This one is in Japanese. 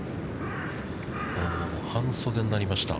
半袖になりました。